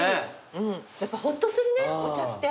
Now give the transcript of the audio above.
やっぱほっとするねお茶って。